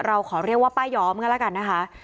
เราขอเรียกว่าป้าย้อมกันแล้วกันนะคะ